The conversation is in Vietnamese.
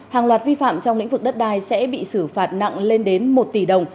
hàng loạt vi phạm trong lĩnh vực đất đai sẽ bị xử phạt nặng lên đến một tỷ đồng